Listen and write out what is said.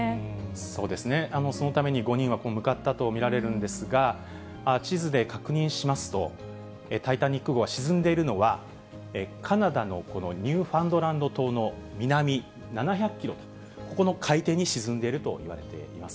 そうですね、そのために５人は向かったと見られるんですが、地図で確認しますと、タイタニック号が沈んでいるのは、カナダのこのニューファンドランド島の南７００キロと、ここの海底に沈んでいるといわれています。